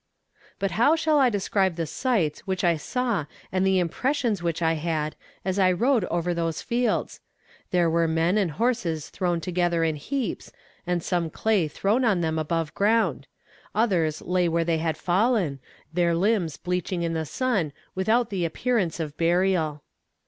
But how shall I describe the sights which I saw and the impressions which I had as I rode over those fields! There were men and horses thrown together in heaps, and some clay thrown on them above ground; others lay where they had fallen, their limbs bleaching in the sun without the appearance of burial.